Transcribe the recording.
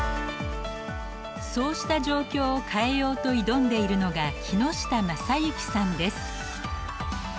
そうした状況を変えようと挑んでいるのが木下昌之さんです。